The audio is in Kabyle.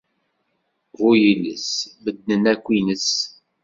Buyiles, medden akk ines.